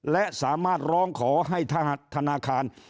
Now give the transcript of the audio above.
และสามารถร้องขอให้ธนาคาร